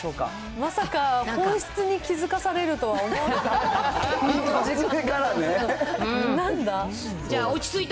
まさか、本質に気付かされるとは思わなかった。